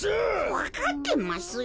わかってますよ。